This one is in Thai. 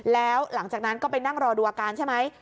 แล้วหลังจากนั้นก็ไปนั่งรอดูอาการใช่ไหม